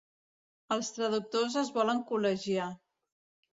Els traductors es volen col·legiar.